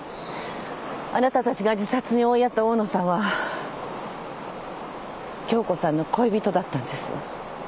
あなたたちが自殺に追いやった大野さんは杏子さんの恋人だったんです。